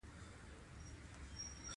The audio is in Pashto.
علم د ستونزو حل ته لار پيداکوي.